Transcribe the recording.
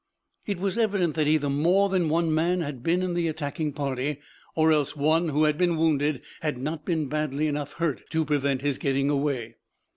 It was evident that either more than one man had been in the attacking party or else one who had been wounded had not been badly enough hurt to prevent his getting away.